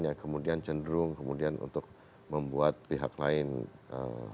yang kemudian cenderung kemudian untuk membuat pihak lain ee